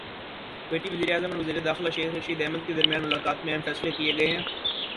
کویتی وزیراعظم اور وزیر داخلہ شیخ رشید احمد کے درمیان ملاقات میں اہم فیصلے کیے گئے ہیں